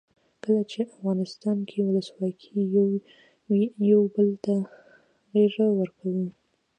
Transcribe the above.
کله چې افغانستان کې ولسواکي وي یو بل ته غیږ ورکوو.